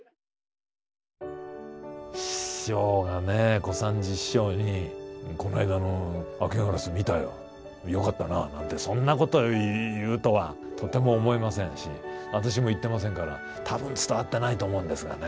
師匠がね小三治師匠に「こないだの『明烏』見たよ。よかったな」なんてそんなこと言うとはとても思えませんし私も言ってませんから多分伝わってないと思うんですがね。